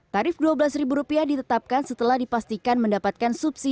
tarif rp dua belas ditetapkan setelah dipastikan mendapatkan subsidi